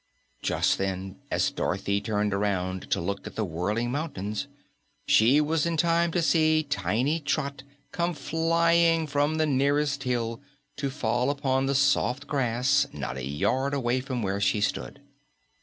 Just then, as Dorothy turned around to look at the whirling mountains, she was in time to see tiny Trot come flying from the nearest hill to fall upon the soft grass not a yard away from where she stood.